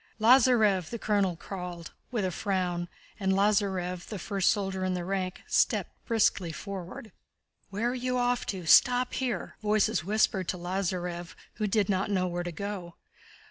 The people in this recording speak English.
"Lázarev!" the colonel called, with a frown, and Lázarev, the first soldier in the rank, stepped briskly forward. "Where are you off to? Stop here!" voices whispered to Lázarev who did not know where to go.